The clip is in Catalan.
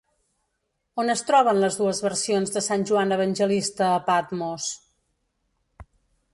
On es troben les dues versions de Sant Joan Evangelista a Patmos?